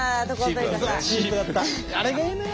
あれがいいのよ。